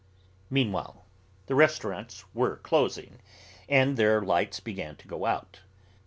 Meanwhile the restaurants were closing, and their lights began to go out.